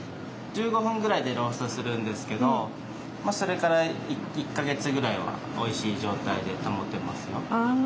１５分ぐらいでローストするんですけどまあそれから１か月ぐらいはおいしい状態で保てますよ。